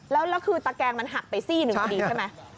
แล้วคือตะแกงมันหักไปซี่หนึ่งพอดีใช่ไหม